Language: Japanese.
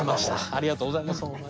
ありがとうございます。